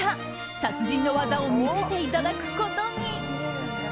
達人の技を見せていただくことに。